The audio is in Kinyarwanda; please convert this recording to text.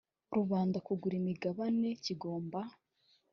rubanda kugura imigabane kigomba